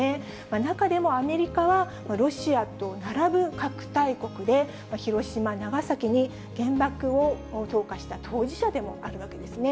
中でもアメリカはロシアと並ぶ核大国で、広島、長崎に原爆を投下した当事者でもあるわけですね。